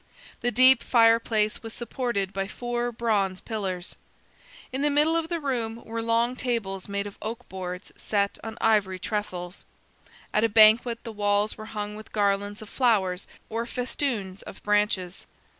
The deep fireplace was supported by four bronze pillars. In the middle of the room were long tables made of oak boards set on ivory trestles. At a banquet the walls were hung with garlands of flowers or festoons of branches.